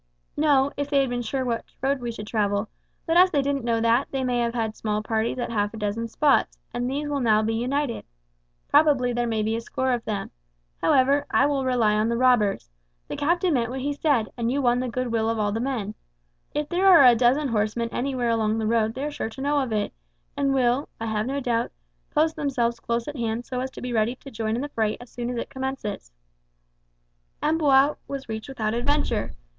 "No, if they had been sure which road we should travel; but as they didn't know that, they may have had small parties at half a dozen spots, and these will now be united. Probably there may be a score of them. However, I rely on the robbers. The captain meant what he said, and you won the goodwill of all the men. If there are a dozen horsemen anywhere along the road they are sure to know of it, and will, I have no doubt, post themselves close at hand so as to be ready to join in the fray as soon as it commences." Amboise was reached without adventure.